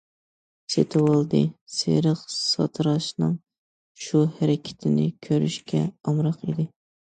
سېتىۋالدى سېرىق ساتىراشنىڭ شۇ ھەرىكىتىنى كۆرۈشكە ئامراق ئىدى.